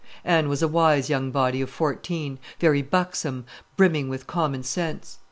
Anne was a wise young body of fourteen, very buxom, brimming with common sense.